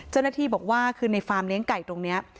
เจ้าหน้าที่บอกว่าคือในฟาร์มเลี้ยงไก่ตรงนี้